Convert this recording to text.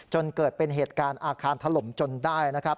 จนเกิดเป็นเหตุการณ์อาคารถล่มจนได้นะครับ